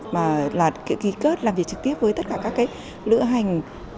mà là kỳ kết làm việc trực tiếp với tất cả các lựa hành